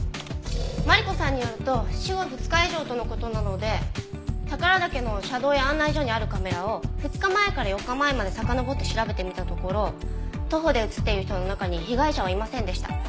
マリコさんによると死後２日以上との事なので宝良岳の車道や案内所にあるカメラを２日前から４日前までさかのぼって調べてみたところ徒歩で映ってる人の中に被害者はいませんでした。